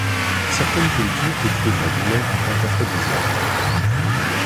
Certaines cultures décrivent la douleur en tant qu'aphrodisiaque.